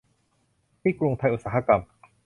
ที กรุงไทยอุตสาหกรรม